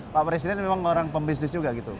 pak presiden memang orang pembisnis juga gitu